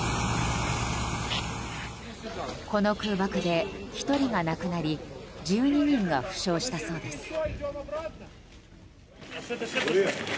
この空爆で１人が亡くなり１２人が負傷したそうです。